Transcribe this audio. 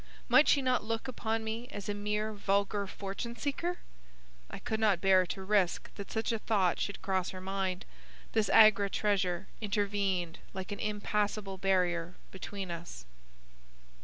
Might she not look upon me as a mere vulgar fortune seeker? I could not bear to risk that such a thought should cross her mind. This Agra treasure intervened like an impassable barrier between us.